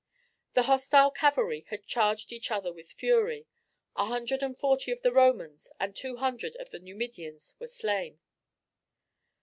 The hostile cavalry had charged each other with fury. A hundred and forty of the Romans and two hundred of the Numidians were slain.